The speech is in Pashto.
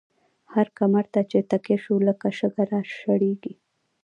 هر کمر ته چی تکيه شو، لکه شګه را شړيږی